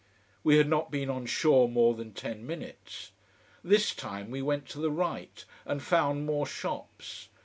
We had not been on shore more than ten minutes. This time we went to the right, and found more shops.